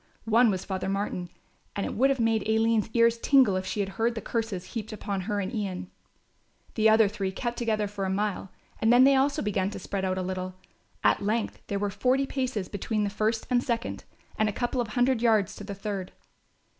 One was Father Martin, and it would have made Aline's ears tingle if she had heard the curses heaped upon her and Ian. The other three kept together for a time and then they also began to spread out a little. At length there were forty paces between the first and second, and a couple of hundred yards to the third.